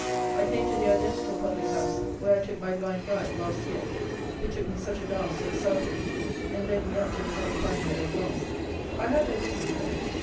I came to the identical public house where I took my blind guide last year, who took me such a dance to the southward, and led me up to the top of Hindhead at last. I had no business there.